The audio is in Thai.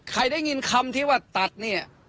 ใครได้ยินคำที่ว่าตัดนี่